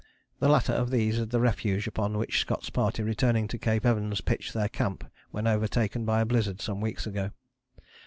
The latter of these is the refuge upon which Scott's party returning to Cape Evans pitched their camp when overtaken by a blizzard some weeks ago.